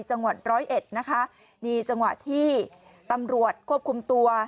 จังหวัดร้อยเอ็ดนะคะนี่จังหวะที่ตำรวจควบคุมตัว